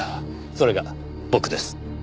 それが僕です。